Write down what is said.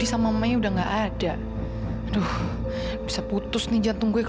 sampai jumpa di video selanjutnya